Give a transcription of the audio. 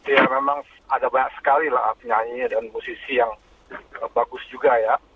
ya memang ada banyak sekali lah penyanyi dan musisi yang bagus juga ya